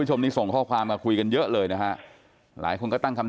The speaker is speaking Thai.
คุณผู้ชมนี้ส่งข้อความมาคุยกันเยอะเลยนะฮะหลายคนก็ตั้งคำ